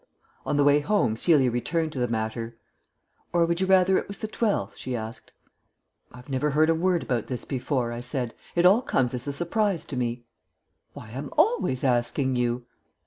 On the way home Celia returned to the matter. "Or you would rather it was the twelfth?" she asked. "I've never heard a word about this before," I said. "It all comes as a surprise to me." "Why, I'm always asking you."